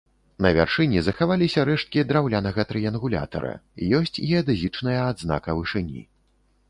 На вяршыні захаваліся рэшткі драўлянага трыянгулятара, ёсць геадэзічная адзнака вышыні.